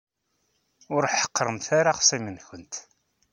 Ur ḥeqqṛemt ara axṣim-nkent.